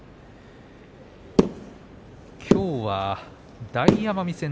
きょうは大奄美戦。